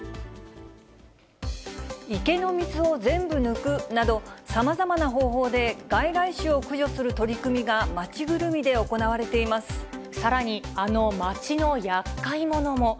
池の水を全部抜くなど、さまざまな方法で外来種を駆除する取り組みが街ぐるみで行われてさらに、あの街のやっかい者も。